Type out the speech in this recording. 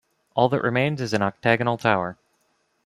All that remains is an octagonal tower.